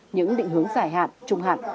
những định hướng giải hạn trung hạn